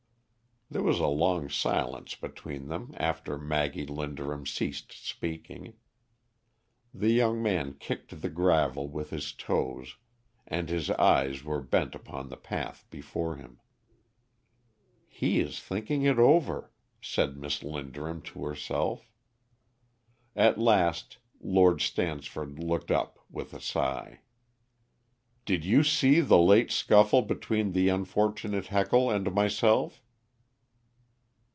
There was a long silence between them after Maggie Linderham ceased speaking. The young man kicked the gravel with his toes, and his eyes were bent upon the path before him. "He is thinking it over," said Miss Linderham to herself. At last Lord Stansford looked up, with a sigh. "Did you see the late scuffle between the unfortunate Heckle and myself?"